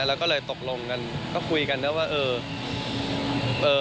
แล้วก็เลยตกลงกันก็คุยกันนะว่าเออ